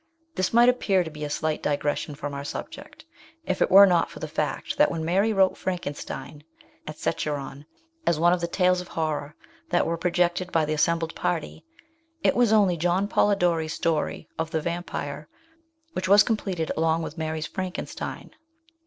This might appear to be a slight digression from our subject, if it were not for the fact that when Mary wrote Frankenstein at Secheron, as one of the tales of horror that were projected by the assembled party, it was only John Polidori's story of The Vampire which was completed along with Mary's Frankenstein.